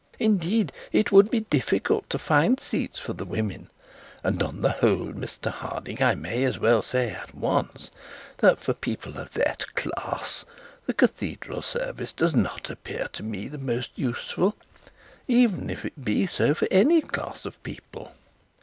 'Indeed, it would be difficult to find seats for the women; and, on the whole, Mr Harding, I may as well say at once, that for people of that class the cathedral service does not appear to me to be the most useful, even if it be so for any class of people.'